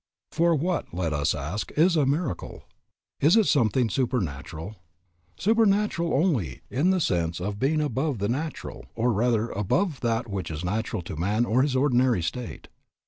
For what, let us ask, is a miracle? Is it something supernatural? Supernatural only in the sense of being above the natural, or rather, above that which is natural to man in his ordinary state.